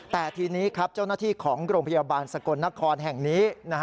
แต่ทีนี้ครับเจ้าหน้าที่ของโรงพยาบาลสกลนครแห่งนี้